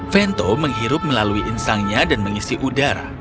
fento menghirup melalui insangnya dan mengisi udara